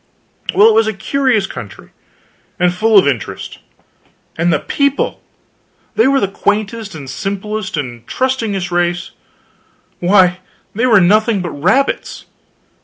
Well, it was a curious country, and full of interest. And the people! They were the quaintest and simplest and trustingest race; why, they were nothing but rabbits.